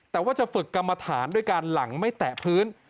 แต่ว่าจะฝึกกรรมฐานด้วยการหลังไม่แตะพื้น